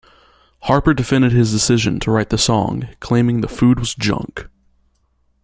Harper defended his decision to write the song, claiming the food was junk.